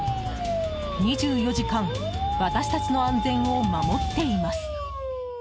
２４時間私たちの安全を守っています。